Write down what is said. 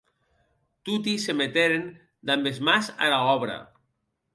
Toti se meteren damb es mans ara òbra.